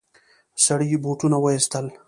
سړي بوټونه وايستل.